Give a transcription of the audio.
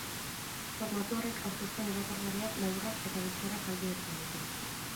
Formatu horrek aurkezpen erakargarriak, laburrak eta bizkorrak ahalbidetzen ditu.